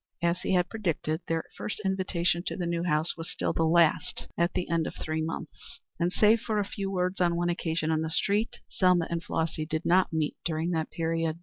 As he had predicted, their first invitation to the new house was still the last at the end of three months, and save for a few words on one occasion in the street, Selma and Flossy did not meet during that period.